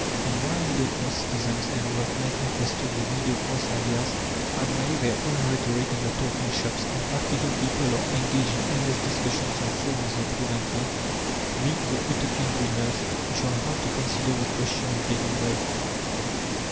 And while middle class citizens, and workmen infested with middle class ideas admire their own rhetoric in the "Talking Shops," and "practical people" are engaged in endless discussions on forms of government, we, the "Utopian dreamers" we shall have to consider the question of daily bread.